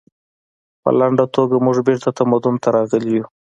په لنډه توګه موږ بیرته تمدن ته راغلي یو